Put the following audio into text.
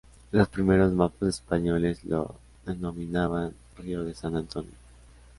Los primeros mapas españoles lo denominaban "Río de San Antonio".